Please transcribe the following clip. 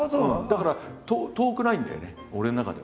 だから遠くないんだよね俺の中ではね。